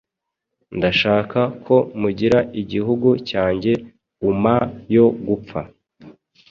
Ndashaka ko mugira igihugu cyanjye uma yo gupfa.